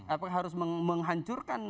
apakah harus menghancurkan